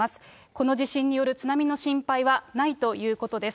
この地震による津波の心配はないということです。